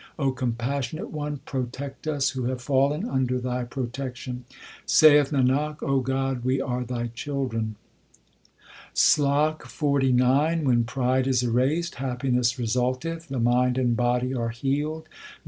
O Compassionate One, protect us who have fallen under Thy protection ! Saith Nanak, O God, we are Thy children. SLOK XLIX When pride is erased, happiness resulteth, the mind and body are healed, 1 Literally innumerable.